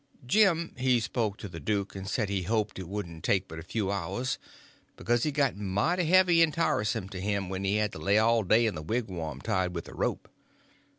Jim he spoke to the duke, and said he hoped it wouldn't take but a few hours, because it got mighty heavy and tiresome to him when he had to lay all day in the wigwam tied with the rope.